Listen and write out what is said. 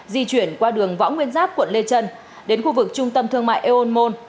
di chuyển qua đường võ nguyên giáp quận lê trân đến khu vực trung tâm thương mại eon môn